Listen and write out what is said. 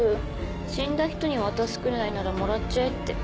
死んだ人に渡すくらいならもらっちゃえって。